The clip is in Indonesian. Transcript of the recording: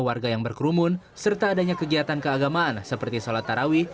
warga yang berkerumun serta adanya kegiatan keagamaan seperti sholat tarawih